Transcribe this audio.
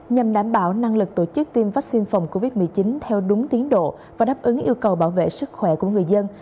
nhằm đảm bảo năng lực tổ chức tiêm vaccine phòng covid một mươi chín theo đúng tiến độ và đáp ứng yêu cầu bảo vệ sức khỏe của người dân